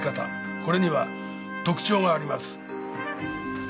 これには特徴があります。